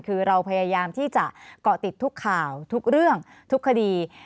คือเราพยายามที่จะเกาะติดทุกข่าวทุกเรื่องทุกคดี